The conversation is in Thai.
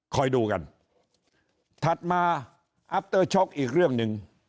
คอยดูกันถัดมาอัพเตอร์ช็อกอีกเรื่องหนึ่ง